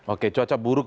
oke cuaca buruk